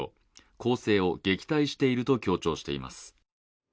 攻勢を撃退していると強調しています。